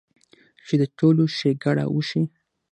چې د ټولو ښېګړه اوشي -